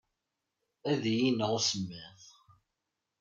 Ad iyi-ineɣ usemmiḍ.